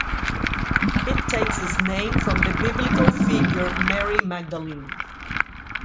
It takes its name from the biblical figure Mary Magdalene.